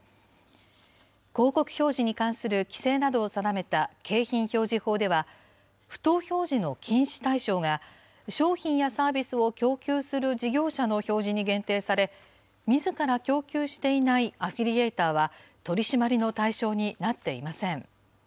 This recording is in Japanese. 広告表示に関する規制などを定めた景品表示法では、不当表示の禁止対象が、商品やサービスを供給する事業者の表示に限定され、みずから供給していないアフィリエイターは、取締りの対象になっていません。